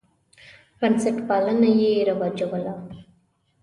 بنسټپالنه یې رواجوله.